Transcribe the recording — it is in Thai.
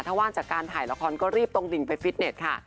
ถ้าว่างจากการถ่ายละครก็รีบตรงดิ่งไปฟิตเน็ตค่ะ